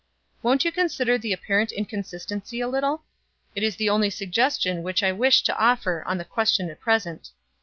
Won't you consider the apparent inconsistency a little? It is the only suggestion which I wish to offer on the question at present.